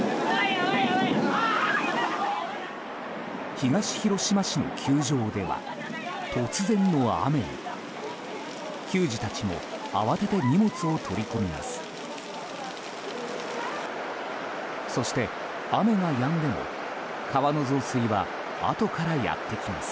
東広島市の球場では突然の雨に球児たちも慌てて荷物を取り込みます。